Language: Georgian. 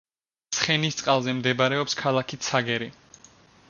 ცხენისწყალზე მდებარეობს ქალაქი ცაგერი.